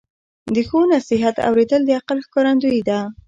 د ښو نصیحت اوریدل د عقل ښکارندویي ده.